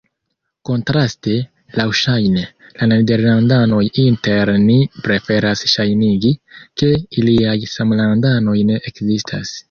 Kontraste, laŭŝajne, la nederlandanoj inter ni preferas ŝajnigi, ke iliaj samlandanoj ne ekzistas.